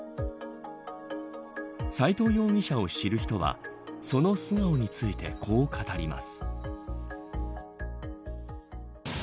斎藤容疑者を知る人はその素顔についてこう語ります。